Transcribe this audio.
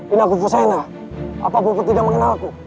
ini aku fusena apapun pun tidak mengenalku